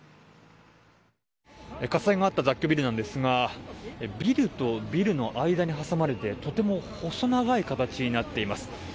火災があった雑居ビルなんですがビルとビルの間に挟まれてとても細長い形になっています。